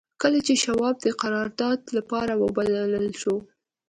کله چې شواب د قرارداد لپاره وبلل شو.